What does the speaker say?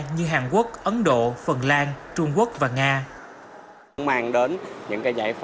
như hàn quốc ấn độ phần lan trung quốc và nga